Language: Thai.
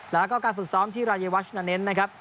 แล้วก็การศึกซ้อมที่รายวัชน์นั้นเน้น